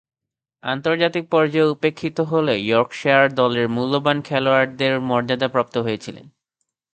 আন্তর্জাতিক পর্যায়ে উপেক্ষিত হলেও ইয়র্কশায়ার দলের মূল্যবান খেলোয়াড়ের মর্যাদাপ্রাপ্ত হয়েছিলেন।